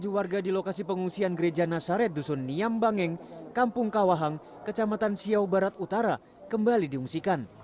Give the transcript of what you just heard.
satu ratus tiga puluh tujuh warga di lokasi pengungsian gereja nasaret dusun niyambangeng kampung kawahang kecamatan siau barat utara kembali diungsikan